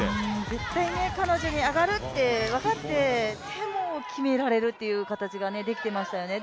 絶対彼女に上がるって分かっててもでも決められるという形ができてましたよね。